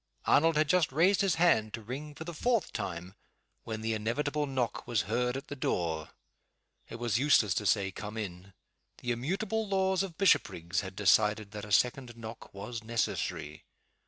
Arnold had just raised his hand to ring for the fourth time, when the inevitable knock was heard at the door. It was useless to say "come in." The immutable laws of Bishopriggs had decided that a second knock was necessary.